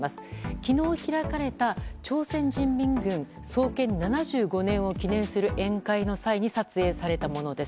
昨日、開かれた朝鮮人民軍の創建７５年を記念する宴会の際に撮影されたものです。